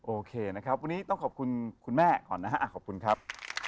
โอเคนะครับวันนี้ต้องขอบคุณคุณแม่ก่อนนะฮะขอบคุณครับ